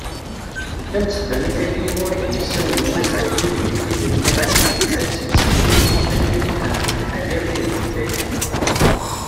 Tamesbanit-agi uɣur i d-yessawel Umazday ilelli n yinelmaden, tebda seg tesdawit Akli Muḥend Ulḥaǧ armi d lwilaya.